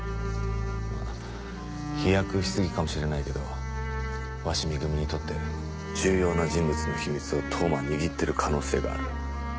まあ飛躍しすぎかもしれないけど鷲見組にとって重要な人物の秘密を当麻は握ってる可能性がある。